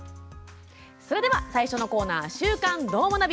では、最初のコーナー「週刊どーもナビ」。